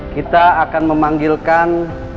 kita akan memanggilkan